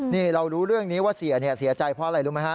นี่เรารู้เรื่องนี้ว่าเสียเสียใจเพราะอะไรรู้ไหมฮะ